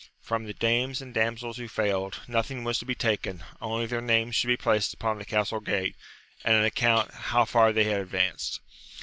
From the dames and damsels who failed, nothing was to be taken, only their names should be placed upon the castle gate, and an account how far they had advanced.